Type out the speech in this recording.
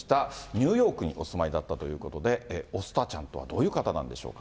ニューヨークにお住まいだったということで、おスタちゃんとはどういう方なんでしょうか。